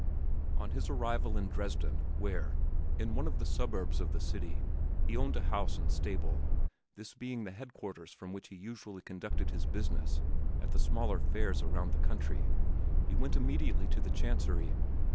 On his arrival in Dresden, where, in one of the suburbs of the city, he owned a house and stable this being the headquarters from which he usually conducted his business at the smaller fairs around the country he went immediately to the chancery.